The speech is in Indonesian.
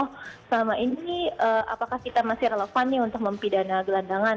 selama ini apakah kita masih relevan nih untuk mempidana gelandangan